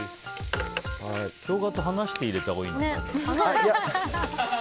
ショウガと離して入れたほうがいいのかな。